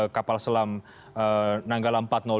kapal selam nanggala empat ratus dua